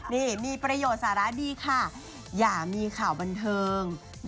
นี่มีประโยชน์สาระดีค่ะอย่ามีข่าวบันเทิง